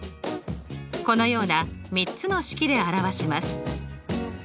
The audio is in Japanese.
このような３つの式で表します。